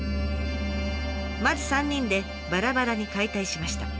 まず３人でばらばらに解体しました。